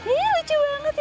ih lucu banget ya